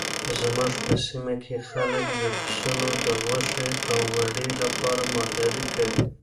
زموږ په سیمه کې خلک د پسونو د غوښې او وړۍ لپاره مالداري کوي.